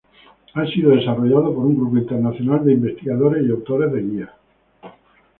Ha sido desarrollado por un grupo internacional de investigadores y autores de guías.